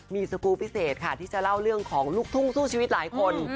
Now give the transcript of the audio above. มีสกูลพิเศษค่ะที่จะเล่าเรื่องของลูกทุ่งสู้ชีวิตหลายคน